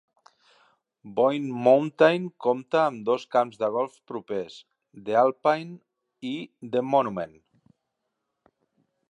Boyne Mountain compta amb dos camps de golf propers: The Alpine i The Monument.